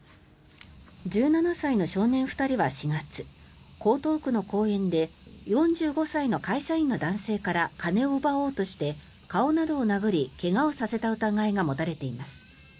１７歳の少年２人は４月江東区の公園で４５歳の会社員の男性から金を奪おうとして顔などを殴り怪我をさせた疑いが持たれています。